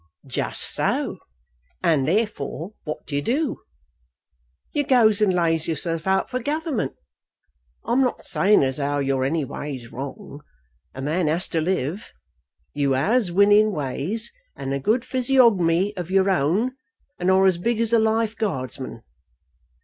"Just so, and therefore what do you do? You goes and lays yourself out for government! I'm not saying as how you're anyways wrong. A man has to live. You has winning ways, and a good physiognomy of your own, and are as big as a life guardsman."